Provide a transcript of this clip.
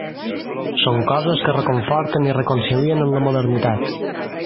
Són coses que reconforten i reconcilien amb la modernitat.